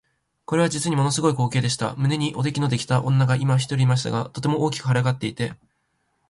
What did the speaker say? これは実にもの凄い光景でした。胸におできのできた女が一人いましたが、とても大きく脹れ上っていて、